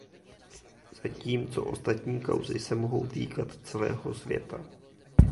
Zatímco ostatní kauzy se mohou týkat celého světa.